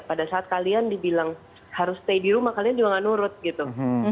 pada saat kalian dibilang harus stay di rumah kalian juga gak nurut gitu